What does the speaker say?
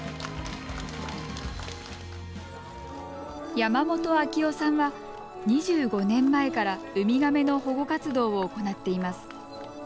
山本明男さんは２５年前から、ウミガメの保護活動を行っています。